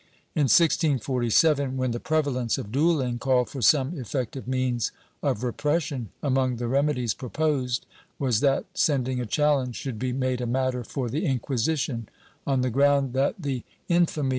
* In 1647, when the prevalence of duelHng called for some effective means of repression, among the remedies proposed was that sending a challenge should be made a matter for the Inquisition, on the ground that the infamy ^ Archivo de Simancas, Inq.